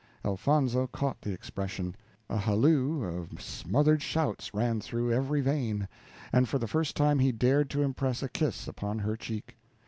Elfonzo caught the expression; a halloo of smothered shouts ran through every vein, and for the first time he dared to impress a kiss upon her cheek.